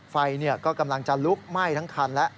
ไฟก็กำลังจะลุกไหม้ทั้งคันแล้ว